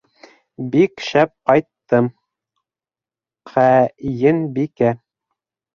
— Бик шәп ҡайттым, ҡәйенбикә.